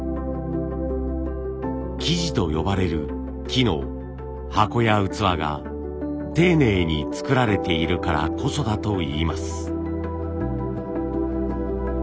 木地と呼ばれる木の箱や器が丁寧に作られているからこそだといいます。